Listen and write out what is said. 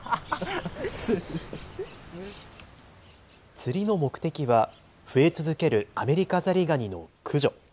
釣りの目的は増え続けるアメリカザリガニの駆除。